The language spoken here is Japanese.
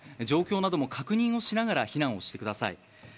状況なども確認をしながら避難をしてください。